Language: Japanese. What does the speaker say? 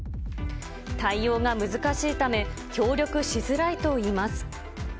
対応が難しいため、協力しづらいといいます。